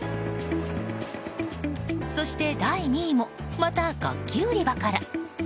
そして第２位もまた楽器売り場から。